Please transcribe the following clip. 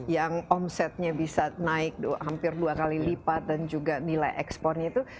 yang omsetnya bisa naik hampir dua kali lipat dan juga nilai ekspornya itu